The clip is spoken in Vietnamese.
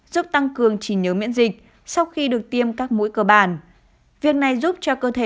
giúp tăng cường trí nhớ miễn dịch sau khi được tiêm các mũi cơ bản việc này giúp cho cơ thể